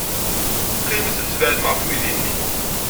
Qqimet tbeɛdem ɣef uydi-nni.